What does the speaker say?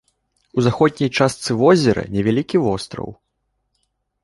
У заходняй частцы возера невялікі востраў.